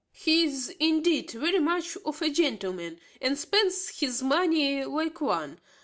He is, indeed, very much of a gentleman, and spends his money like one.